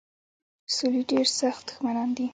سولي ډېر سخت دښمنان دي.